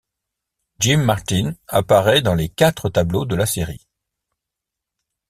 Jim Martin apparaît dans les quatre tableaux de la série.